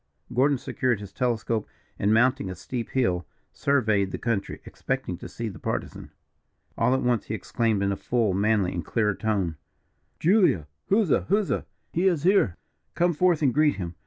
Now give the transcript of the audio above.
Gordon secured his telescope, and, mounting a steep hill, surveyed the country, expecting to see the Partisan. All at once he exclaimed in a full, manly, and clear tone: "Julia, huzza! huzza! He is here come forth and greet him.